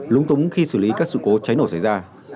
lúng túng khi xử lý các sự cố cháy nổ xảy ra